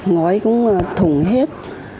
ngói cũng thủng hết